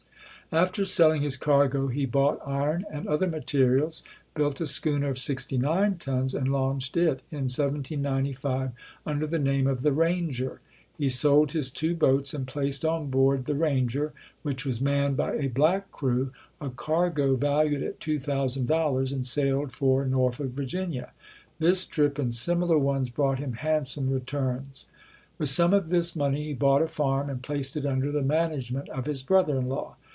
After selling his cargo, he bought iron and other materials, built a schooner of sixty nine tons and launched it, in 1795, under the name of "The Ranger". He sold his two boats and placed on board "The Ranger", which was manned by a black crew, a cargo valued at two thousand dol lars, and sailed for Norfolk, Virginia. This trip and similar ones brought him handsome returns. With some of this money he bought a farm and placed it under the management of his broth er in law.